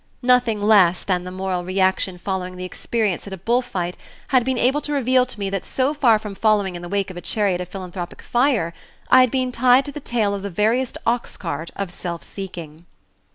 Nothing less than the moral reaction following the experience at a bullfight had been able to reveal to me that so far from following in the wake of a chariot of philanthropic fire, I had been tied to the tail of the veriest ox cart of self seeking.